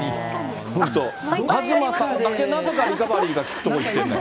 本当、東さんだけなぜかリカバリーが利く所に行ってるんだよ。